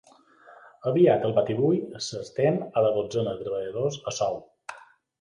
Aviat el batibull s'estén a la dotzena de treballadors a sou.